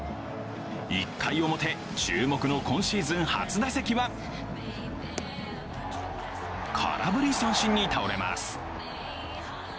１回表、注目の今シーズン初打席は空振り三振に倒れます。